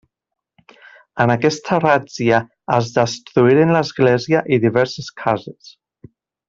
En aquesta ràtzia es destruïren l'església i diverses cases.